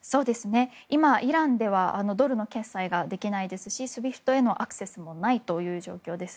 今、イランではドルの決済ができないですしＳＷＩＦＴへのアクセスもない状況です。